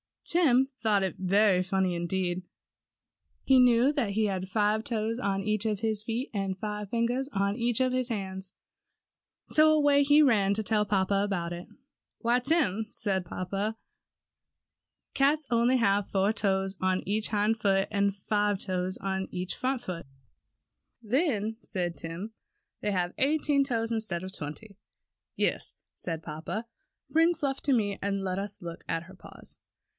Tim thought that very funny indeed. He knew that he had five toes on each of his feet, and five fingers on each of his hands, so away he ran to tell papa about it. ^Why, Tim,'^ said papa, ^^cats only have four toes on each hind foot and five toes on each front foot.'^ TIM'S CAT. 47 ^Then/' said Tim, ^They have eighteen toes instead of twenty.'' ^^Yes," said papa. ^^Bring Fluff to me and let us look at her paws."